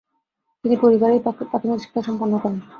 তিনি পরিবারেই প্রাথমিক শিক্ষা সম্পন্ন করেন।